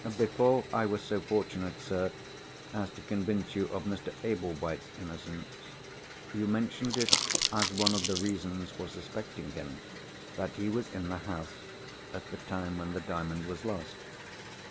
"Before I was so fortunate, sir, as to convince you of Mr. Ablewhite's innocence, you mentioned it as one of the reasons for suspecting him, that he was in the house at the time when the Diamond was lost.